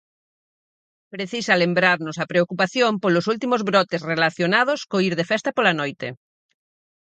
Precisa lembrarnos a preocupación polos últimos brotes relacionados co ir de festa pola noite.